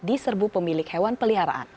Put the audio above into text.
di serbu pemilik hewan peliharaan